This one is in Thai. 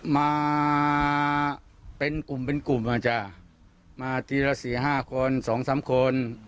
มาเป็นกลุ่มอาจจะมาทีละสี่ห้าคนสองสามคน